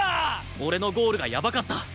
俺のゴールがやばかった！